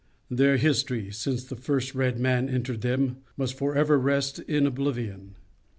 Their history, since the first red man entered them, must forever rest in oblivion.